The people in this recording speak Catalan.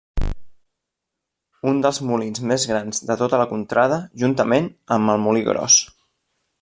Un dels molins més grans de tota la contrada, juntament amb el Molí Gros.